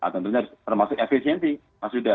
tentunya termasuk efisiensi maksudnya